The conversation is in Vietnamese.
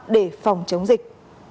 để phòng chống dịch